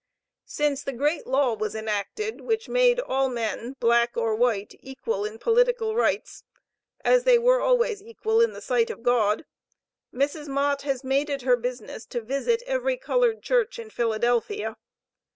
Since the great law was enacted, which made all men, black or white, equal in political rights as they were always equal in the sight of God Mrs. Mott has made it her business to visit every colored church in Philadelphia.